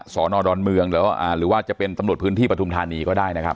สอนอดอนเมืองหรือว่าจะเป็นตำรวจพื้นที่ปฐุมธานีก็ได้นะครับ